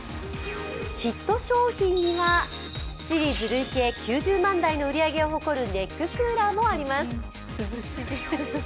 ヒット商品には、シリーズ累計９０万台の売り上げを誇るネッククーラーもあります。